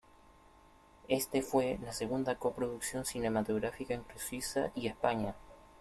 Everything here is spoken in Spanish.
Este fue la segunda coproducción cinematográfica entre Suiza y España.